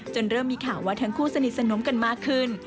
เริ่มมีข่าวว่าทั้งคู่สนิทสนมกันมากขึ้น